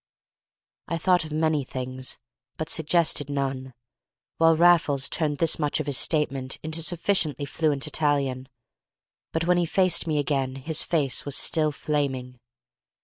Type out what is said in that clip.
I thought of many things but suggested none, while Raffles turned this much of his statement into sufficiently fluent Italian. But when he faced me again his face was still flaming.